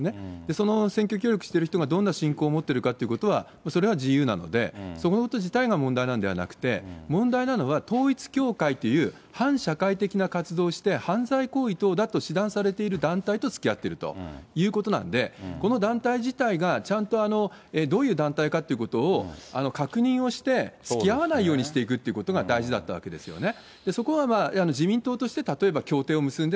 その選挙協力している人がどんな信仰を持っているかということは、それは自由なので、そのこと自体が問題なんではなくて、問題なのは、統一教会という反社会的な活動をして、犯罪行為等だと知らされている団体とつきあっているということなんで、この団体自体がちゃんとどういう団体かということを確認をして、つきあわないようにしていくということが大事だったわけですよね。